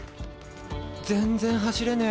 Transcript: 全然走れねえ。